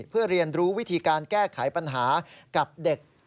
เพื่อเรียนรู้วิธีการแก้ไขปัญหากับเด็ก